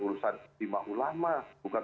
urusan lima ulama bukan